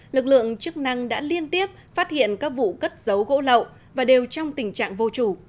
lực lượng chức năng đã liên tiếp phát hiện các vụ cất dấu gỗ lậu và đều trong tình trạng vô chủ